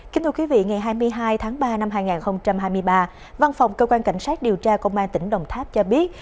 kính thưa quý vị ngày hai mươi hai tháng ba năm hai nghìn hai mươi ba văn phòng cơ quan cảnh sát điều tra công an tỉnh đồng tháp cho biết